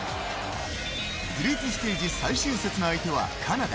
グループステージ最終節の相手はカナダ。